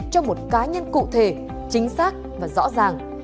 cho một cá nhân cụ thể chính xác và rõ ràng